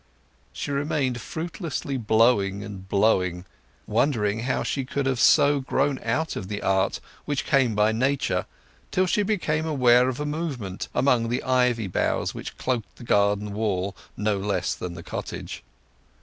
She remained fruitlessly blowing and blowing, wondering how she could have so grown out of the art which had come by nature, till she became aware of a movement among the ivy boughs which cloaked the garden wall no less then the cottage.